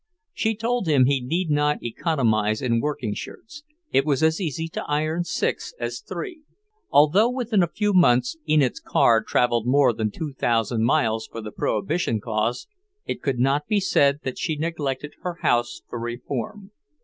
She told him he need not economize in working shirts; it was as easy to iron six as three. Although within a few months Enid's car travelled more than two thousand miles for the Prohibition cause, it could not be said that she neglected her house for reform.